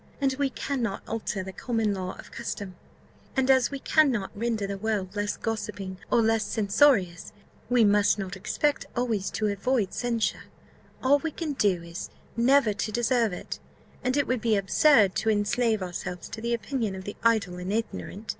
"As we cannot alter the common law of custom, and as we cannot render the world less gossiping, or less censorious, we must not expect always to avoid censure; all we can do is, never to deserve it and it would be absurd to enslave ourselves to the opinion of the idle and ignorant.